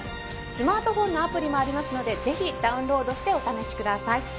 スマートフォンのアプリもありますのでぜひダウンロードしてお楽しみください。